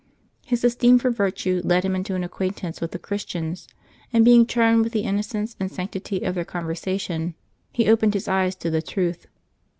His esteem for virtue led him into an acquaintance with the Christians, and being charmed with the innocence and sanctity of their conversa tion, he opened his eyes to the truth.